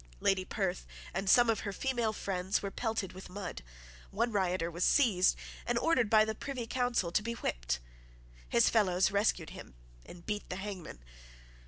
Lady Perth and some of her female friends were pelted with mud. One rioter was seized, and ordered by the Privy Council to be whipped. His fellows rescued him and beat the hangman.